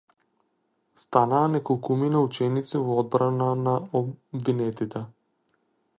Станаа неколкумина ученици во одбрана на обвинетите.